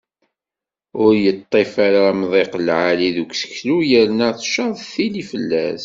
Ur yeṭṭif ara amḍiq lεali deg useklu yerna tcaḍ tili fell-as.